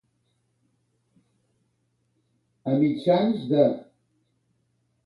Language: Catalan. A mitjans de.